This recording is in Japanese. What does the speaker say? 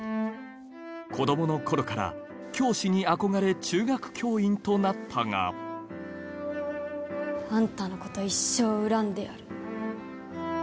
子供のころから教師に憧れ中学教員となったがあんたのこと一生恨んでやる。